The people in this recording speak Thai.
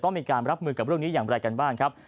มีการรับมือกับเรื่องนี้อย่างไรกันบ้างครับ